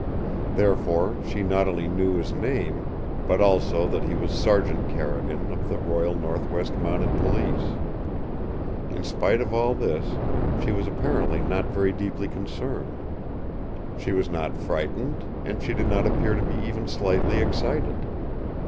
Therefore she not only knew his name, but also that he was Sergeant Carrigan of the Royal Northwest Mounted Police. In spite of all this she was apparently not very deeply concerned. She was not frightened, and she did not appear to be even slightly excited.